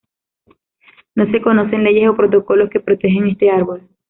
No se conocen leyes o protocolos que protejan este árbol.